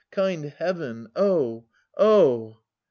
Kind Heaven ! Oh, oh